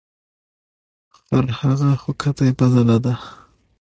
ـ خرهغه خو کته یې بدله ده .